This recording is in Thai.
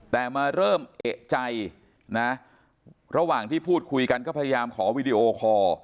แต่มาเริ่มเอกใจนะระหว่างที่พูดคุยกันก็พยายามขอวีดีโอคอร์